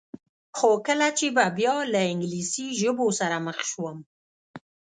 خو کله چې به بیا له انګلیسي ژبو سره مخ شوم.